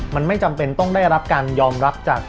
มันไม่จำเป็นต้องได้รับการยอมรับจาก